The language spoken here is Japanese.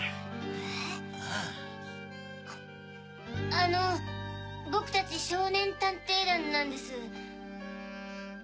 あの僕たち少年探偵団なんです。